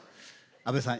安部さん